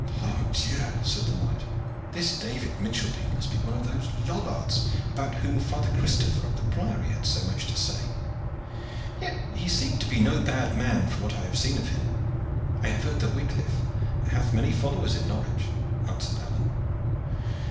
"Pardieu!" said the knight, "this David Micheldene must be one of those Lollards about whom Father Christopher of the priory had so much to say. Yet he seemed to be no bad man from what I have seen of him." "I have heard that Wicliff hath many followers in Norwich," answered Alleyne.